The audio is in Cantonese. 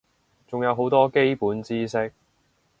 仲有好多基本知識